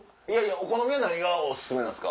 お好みは何がおすすめですか？